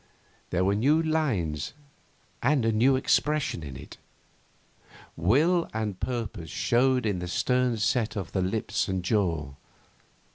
There were new lines and a new expression in it. Will and purpose showed in the stern set of the lips and jaw.